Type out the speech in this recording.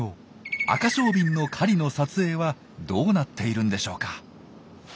アカショウビンの狩りの撮影はどうなっているんでしょうか？